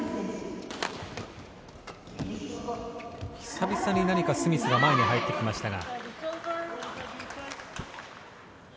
久々にスミスが前に入ってきましたが。